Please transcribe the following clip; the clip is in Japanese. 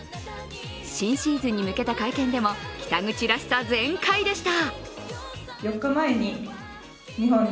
新シーズンに向けた会見でも北口らしさ全開でした。